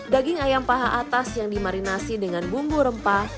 daging ayam paha atas yang dimarinasi dengan bumbu rempah